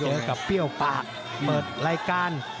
เจอกับเปรี้ยวปากเปิดรายการ